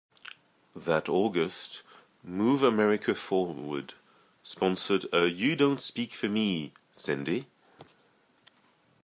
That August, Move America Forward sponsored a You don't speak for me, Cindy!